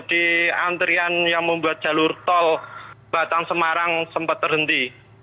di antrian yang membuat jalur tol batang semarang sempat terhenti